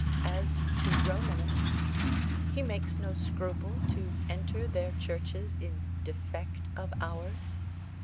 As to Romanists he makes no scruple to "enter their churches in defect of ours."